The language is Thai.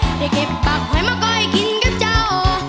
นี่ที่ดีแค่ปักใหม่คอยกินกับเจ้า